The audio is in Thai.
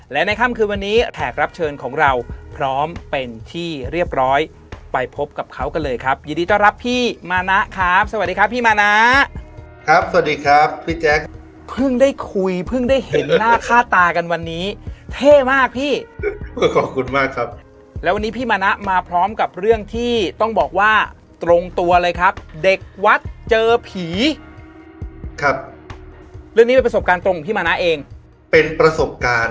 และในค่ำคืนวันนี้แขกรับเชิญของเราพร้อมเป็นที่เรียบร้อยไปพบกับเขากันเลยครับยินดีต้อนรับพี่มานะครับสวัสดีครับพี่มานะครับสวัสดีครับพี่แจ๊คเพิ่งได้คุยเพิ่งได้เห็นหน้าค่าตากันวันนี้เท่มากพี่ขอบคุณมากครับแล้ววันนี้พี่มานะมาพร้อมกับเรื่องที่ต้องบอกว่าตรงตัวเลยครับเด็กวัดเจอผีครับเรื่องนี้เป็นประสบการณ์ตรงของพี่มานะเองเป็นประสบการณ์